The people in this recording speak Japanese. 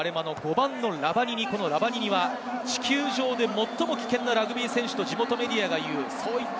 ラバニニは地球上で最も危険なラグビー選手と地元メディアが言っています。